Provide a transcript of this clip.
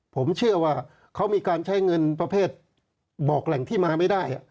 ผมเชื่อว่าเขามีการใช้เงินประเภทบอกแหล่งที่มาไม่ได้